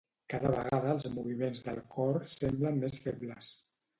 Cada vegada els moviments del cor semblen més febles